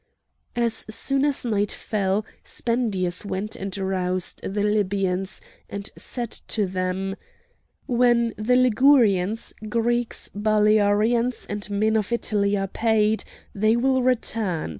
As soon as night fell, Spendius went and roused the Libyans, and said to them: "When the Ligurians, Greeks, Balearians, and men of Italy are paid, they will return.